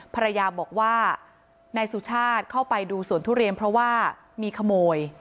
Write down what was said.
ภรรยาบอกว่านายสุชาติเข้าไปดูสวนทุเรียนเพราะว่ามีขโมย